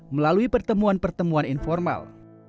melalui pertemuan pertemuan informal